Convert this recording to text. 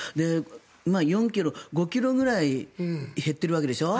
もう４ｋｇ、５ｋｇくらい減っているわけでしょ。